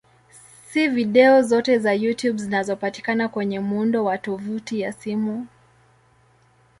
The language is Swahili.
Si video zote za YouTube zinazopatikana kwenye muundo wa tovuti ya simu.